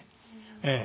ええ。